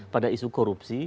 pada isu korupsi